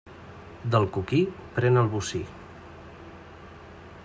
Del coquí, pren el bocí.